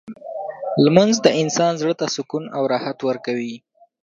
لمونځ د انسان زړه ته سکون او راحت ورکوي.